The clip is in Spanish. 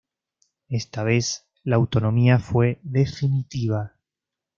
Esta vez, la autonomía fue definitiva.